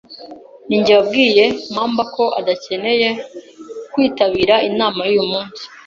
Ninjye wabwiye mabwa ko adakeneye kwitabira inama yuyu munsi.